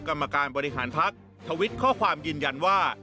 กรรมการบริหารพักทวิตข้อความยืนยันว่า